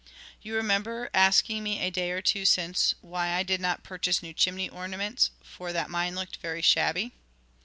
You remember asking me a day or two since why I did not purchase new chimney ornaments, for that mine looked very shabby?